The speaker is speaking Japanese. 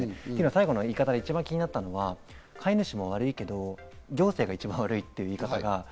最後の言い方で一番気になったのは飼い主も悪いけど、行政が一番悪いという言い方。